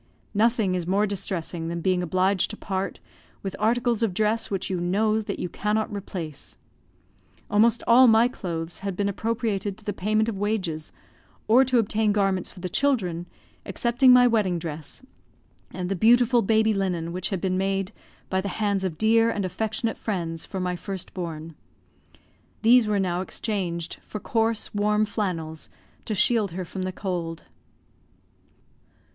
Nothing is more distressing than being obliged to part with articles of dress which you know that you cannot replace. Almost all my clothes had been appropriated to the payment of wages, or to obtain garments for the children, excepting my wedding dress, and the beautiful baby linen which had been made by the hands of dear and affectionate friends for my first born. These were now exchanged for coarse, warm flannels, to shield her from the cold.